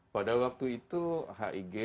pada waktu itu hig hadir di indonesia